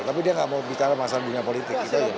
tapi dia nggak mau di taruh masalah dunia politik